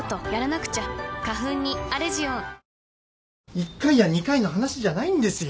一回や二回の話じゃないんですよ！